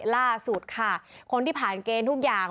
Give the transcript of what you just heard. ล่าสุดค่ะคนที่ผ่านเกณฑ์ทุกอย่าง